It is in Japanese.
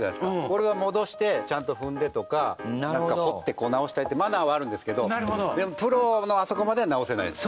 これは戻してちゃんと踏んでとかなんか掘って直したりってマナーはあるんですけどでもプロのあそこまでは直せないです。